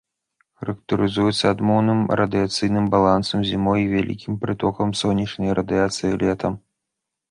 Характарызуецца адмоўным радыяцыйным балансам зімой і вялікім прытокам сонечнай радыяцыі летам.